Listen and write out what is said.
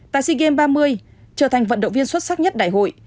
tại sea games ba mươi trở thành vận động viên xuất sắc nhất đại hội